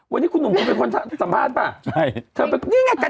วันนี้คุณหนุ่มคุณเป็นคนสัมภาษณ์ปะ